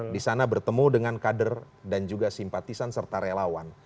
di sana bertemu dengan kader dan juga simpatisan serta relawan